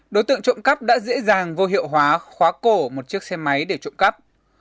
đối tượng trộm cắp đã dễ dàng vô hiệu hóa khóa cổ một chiếc xe máy để trộm cắp